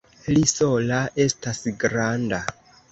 Li sola estas granda!